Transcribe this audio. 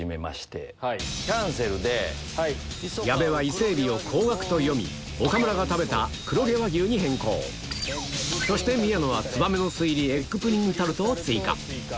矢部はイセエビを高額と読み岡村が食べた黒毛和牛に変更そして宮野は燕の巣入りエッグプリンタルトを追加